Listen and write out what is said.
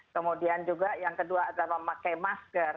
kemudian juga yang kedua adalah memakai masker